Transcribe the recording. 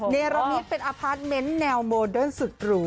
เนรมิตเป็นอพาร์ทเมนต์แนวโมเดิร์นสุดหรู